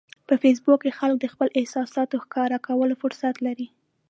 په فېسبوک کې خلک د خپلو احساساتو ښکاره کولو فرصت لري